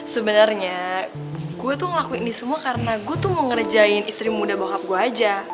sebenarnya gue tuh ngelakuin ini semua karena gue tuh mau ngerjain istri muda bokap gue aja